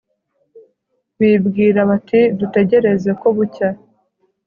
bibwira bati dutegereze ko bucya